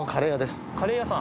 カレー屋さん？